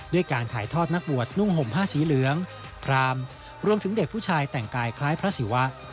ด้วยการถ่ายทอดนักบวชนุ่งห่มผ้าสีเหลืองพรามรวมถึงเด็กผู้ชายแต่งกายคล้ายพระศิวะ